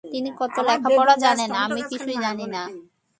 তিনি কত লেখাপড়া জানেন, আমি কিছুই জানি না।